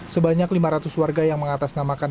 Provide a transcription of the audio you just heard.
sebanyak lima ratus warga yang mengatasnamakan